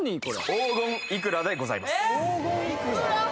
黄金いくらでございますえっ！？